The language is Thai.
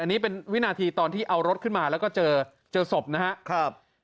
อันนี้เป็นวินาทีตอนที่เอารถขึ้นมาแล้วก็เจอเจอศพนะครับ